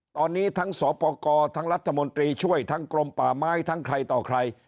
ตอนนี้ทั้งสปกรทั้งรัฐมนตรีช่วยทั้งกรมป่าไม้ทั้งใครต่อใคร